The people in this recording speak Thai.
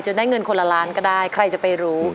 ได้เงินคนละล้านก็ได้ใครจะไปรู้